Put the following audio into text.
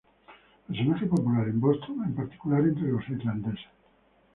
Personaje popular en Boston, en particular entre los irlandeses.